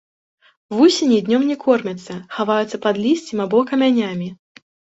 Вусені днём не кормяцца, хаваюцца пад лісцем або камянямі.